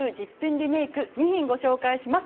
リメイク２品ご紹介します。